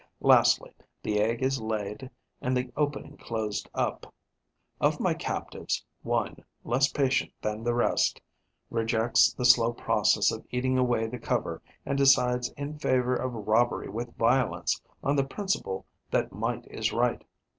Lastly, the egg is laid and the opening closed up. Of my captives, one, less patient than the rest, rejects the slow process of eating away the cover and decides in favour of robbery with violence, on the principle that might is right.